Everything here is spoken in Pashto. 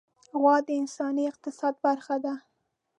غوا د انساني اقتصاد برخه ده.